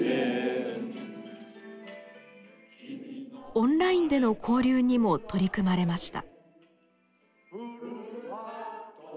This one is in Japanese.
オンラインでの交流にも取り組まれました。